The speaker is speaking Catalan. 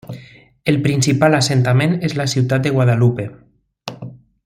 El principal assentament és la ciutat de Guadalupe.